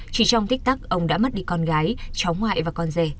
chỉ trong tích tắc ông đã mất đi con gái cháu ngoại và con rể